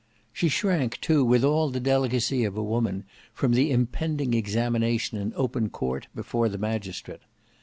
She shrank, too, with all the delicacy of a woman, from the impending examination in open court before the magistrate.